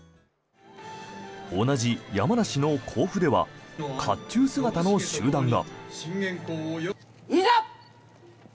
同じ山梨の甲府では甲冑姿の集団が。